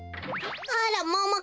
あらもも